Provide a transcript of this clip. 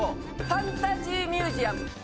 ファンタジーミュージアム。